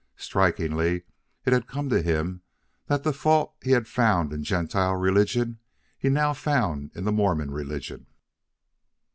Strikingly it had come to him that the fault he had found in Gentile religion he now found in the Mormon religion.